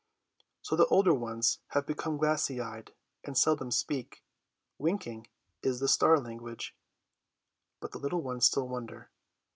So the older ones have become glassy eyed and seldom speak (winking is the star language), but the little ones still wonder.